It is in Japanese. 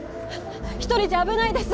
一人じゃ危ないです